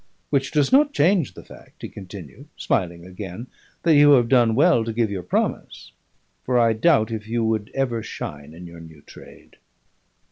Which does not change the fact," he continued, smiling again, "that you have done well to give your promise; for I doubt if you would ever shine in your new trade."